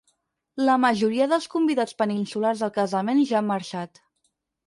La majoria dels convidats peninsulars al casament ja han marxat.